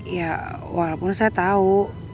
ya walaupun saya tau